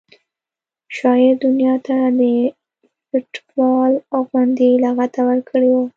شاعر دنیا ته د فټبال غوندې لغته ورکړې ده